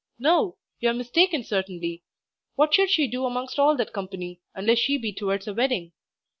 No, you are mistaken certainly; what should she do amongst all that company, unless she be towards a wedding?